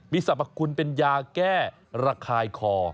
สรรพคุณเป็นยาแก้ระคายคอ